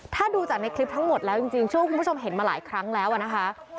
ถ้าดูจากในคลิปทั้งหมดแล้วจริงเชื่อว่าคุณผู้ชมเห็นมาหลายครั้งแล้วนะคะ